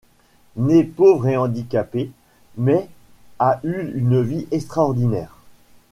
Né pauvre et handicapé, mais a eu une vie extraordinaire.